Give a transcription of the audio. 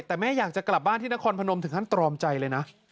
แต่แม่อยากจะกลับบ้านที่นครพนมถึงขั้นตรอมใจเลยนะ